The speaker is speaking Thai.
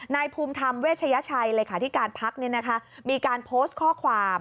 นายพุมธรรมเวชยชัยเลยค่ะที่การพรรคมีการโพสต์ข้อความ